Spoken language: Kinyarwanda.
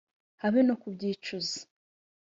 habe no kubyicuza